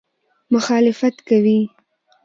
مخالفت کوي.